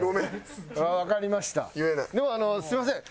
でもすいません。